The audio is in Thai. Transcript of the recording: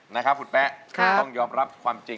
นะครับคุณแป๊ะต้องยอมรับความจริง